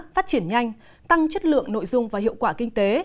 phát triển nhanh tăng chất lượng nội dung và hiệu quả kinh tế